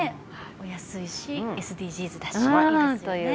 お安いし、ＳＤＧｓだしいいですよね。